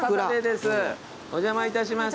お邪魔いたします。